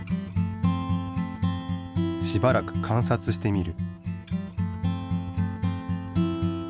しばらく観察してみる。